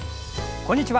こんにちは。